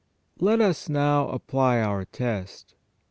Let us now apply our test.